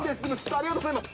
ありがとうございます。